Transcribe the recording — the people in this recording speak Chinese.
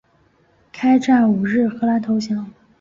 开战五日荷兰投降。